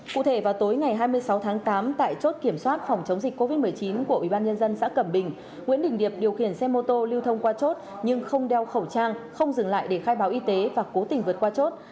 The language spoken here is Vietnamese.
cụ thể vào tối ngày hai mươi sáu tháng tám tại chốt kiểm soát phòng chống dịch covid một mươi chín của ubnd xã cẩm bình nguyễn đình điệp điều khiển xe mô tô lưu thông qua chốt nhưng không đeo khẩu trang không dừng lại để khai báo y tế và cố tình vượt qua chốt